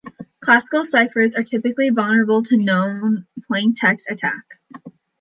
Classical ciphers are typically vulnerable to known-plaintext attack.